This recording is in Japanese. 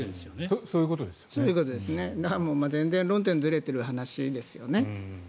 全然論点がずれてる話ですよね。